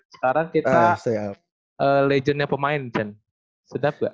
sekarang kita legendnya pemain jen sedap nggak